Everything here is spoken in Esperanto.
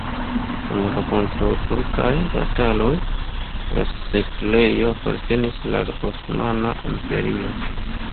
Dum la kontraŭturkaj bataloj la setlejo apartenis al la Osmana Imperio.